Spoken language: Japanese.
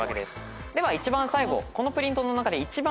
では一番最後このプリントの中で一番多い文字。